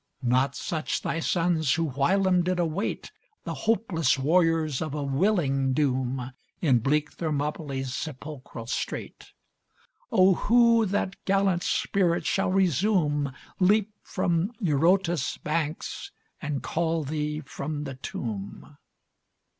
Not such thy sons who whilome did await, The hopeless warriors of a willing doom, In bleak Thermopylæ's sepulchral strait Oh, who that gallant spirit shall resume, Leap from Eurotas's banks, and call thee from the tomb?